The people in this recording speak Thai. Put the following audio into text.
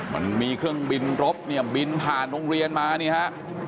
มันมีเครื่องบินรบเนี่ยบินผ่านโรงเรียนมานี่ฮะ